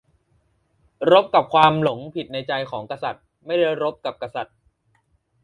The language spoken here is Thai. "รบกับความหลงผิดในใจของกษัตริย์ ไม่ได้รบกับกษัตริย์"